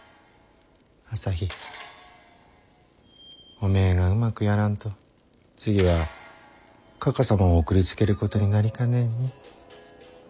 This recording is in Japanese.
おめえがうまくやらんと次はかか様を送りつけることになりかねんに。